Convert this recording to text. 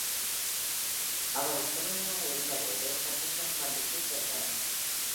அவள் சிறுமியாக இருந்தபோது Hutchison பள்ளிக்கு சென்றார்.